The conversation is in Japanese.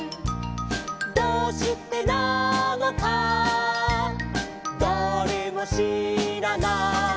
「どうしてなのかだれもしらない」